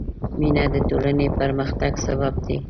مینه د ټولنې پرمختګ سبب دی.